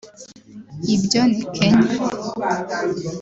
Ibyo ni Kenya